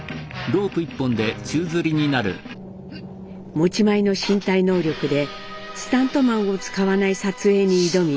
持ち前の身体能力でスタントマンを使わない撮影に挑み